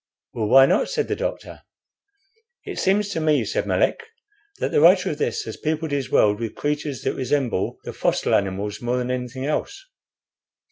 '" "Well, why not?" said the doctor. "It seems to me," said Melick, "that the writer of this has peopled his world with creatures that resemble the fossil animals more than anything else."